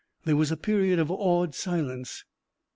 There was a period of awed silence.